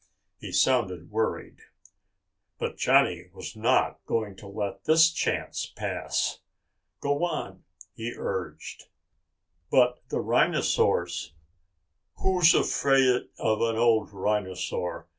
He sounded worried. But Johnny was not going to let this chance pass. "Go on," he urged. "But the rhinosaurs...." "Who's afraid of an old rhinosaur?"